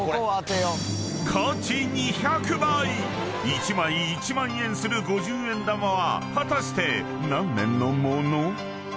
［１枚１万円する五十円玉は果たして何年の物？］